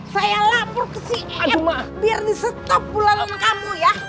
saya lapur ke si eem biar di stop bulanan kamu ya